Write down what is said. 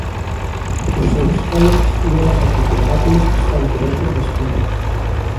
O seu escólex leva catro tentáculos que están cubertos de espiñas.